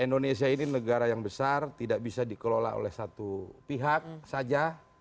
indonesia ini negara yang besar tidak bisa dikelola oleh satu pihak saja